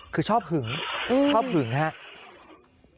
คือชอบหึงชอบหึงครับ